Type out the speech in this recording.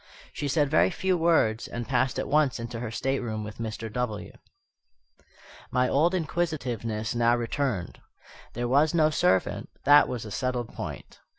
She said very few words, and passed at once into her stateroom with Mr. W. My old inquisitiveness now returned. There was no servant, that was a settled point.